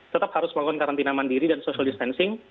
tetap harus melakukan karantina mandiri dan social distancing